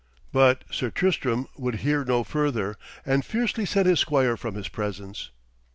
But Sir Tristram would hear no further, and fiercely sent his squire from his presence.